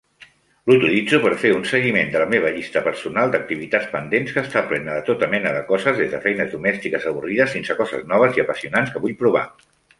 L'utilitzo per fer un seguiment de la meva llista personal d'activitats pendents, que està plena de tota mena de coses, des de feines domèstiques avorrides fins a coses noves i apassionants que vull provar.